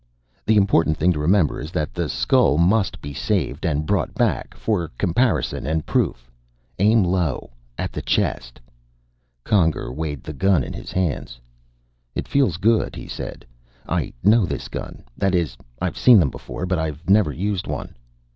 "The important thing to remember is that the skull must be saved and brought back for comparison and proof. Aim low at the chest." Conger weighed the gun in his hands. "It feels good," he said. "I know this gun that is, I've seen them before, but I never used one."